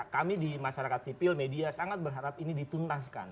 kami di masyarakat sipil media sangat berharap ini dituntaskan